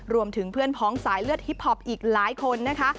รวมถึงเพื่อนพ้องสายเลือดฮิปพอปอีกหลายคนนะคะ